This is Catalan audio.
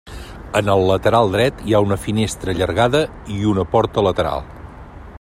En el lateral dret hi ha una finestra allargada i una porta lateral.